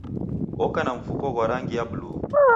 Oka na mfuko ghwa rangi ya buluu.